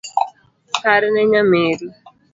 Parne nyameru